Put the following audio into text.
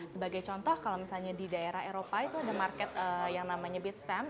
sebagai contoh kalau misalnya di daerah eropa itu ada market yang namanya beatstam